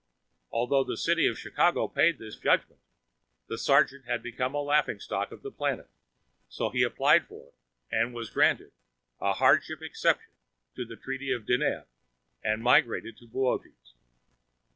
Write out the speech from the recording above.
Although the City of Chicago paid this judgment, the sergeant had become the laughing stock of the planet, so he applied for, and was granted, a hardship exception to the Treaty of Deneb and migrated to Boötes.